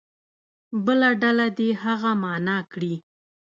بله ډله دې هغه معنا کړي.